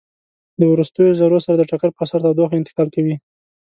د وروستیو ذرو سره د ټکر په اثر تودوخه انتقال کوي.